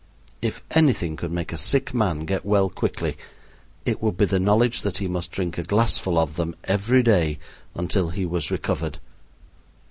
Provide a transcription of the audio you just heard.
If anything could make a sick man get well quickly, it would be the knowledge that he must drink a glassful of them every day until he was recovered.